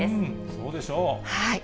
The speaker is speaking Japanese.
そうでしょう。